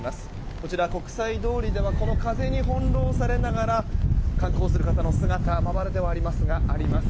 こちら、国際通りでもこの風に翻弄されながら観光する方の姿まばらではありますがあります。